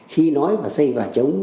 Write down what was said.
khi nói và xây vào chống